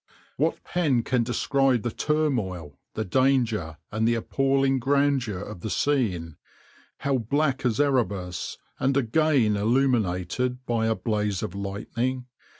"What pen can describe the turmoil, the danger, and the appalling grandeur of the scene, how black as Erebus, and again illumined by a blaze of lightning?